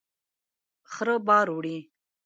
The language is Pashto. خره بار وړي